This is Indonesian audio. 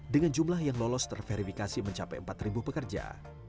dengan jumlah yang lolos terverifikasi mencapai empat pekerja